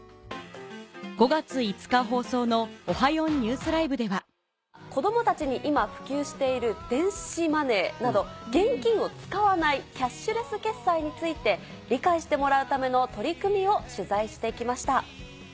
５月５日放送の『Ｏｈａ！４ＮＥＷＳＬＩＶＥ』では子どもたちに今普及している電子マネーなど現金を使わないキャッシュレス決済について理解してもらうための取り組みを取材してきました。